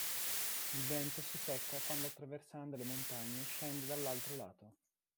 Il vento si secca quando attraversando le montagne, scende dall'altro lato.